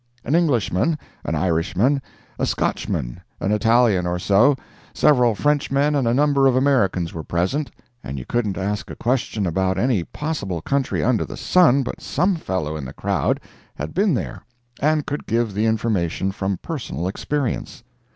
An Englishman, an Irishman, a Scotchman, an Italian or so, several Frenchmen and a number of Americans were present, and you couldn't ask a question about any possible country under the sun, but some fellow in the crowd had been there and could give the information from personal experience.